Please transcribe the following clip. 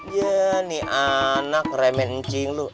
ya nih anak remen ncing lo